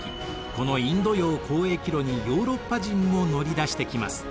このインド洋交易路にヨーロッパ人も乗り出してきます。